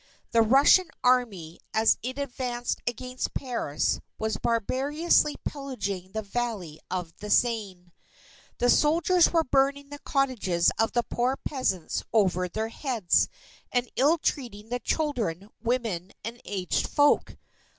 The Russian Army, as it advanced against Paris, was barbarously pillaging the valley of the Seine. The soldiers were burning the cottages of the poor peasants over their heads, and ill treating the children, women, and aged folk.